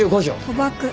賭博。